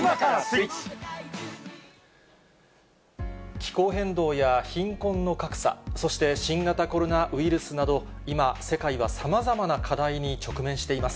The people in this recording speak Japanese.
気候変動や貧困の格差、そして新型コロナウイルスなど、今、世界はさまざまな課題に直面しています。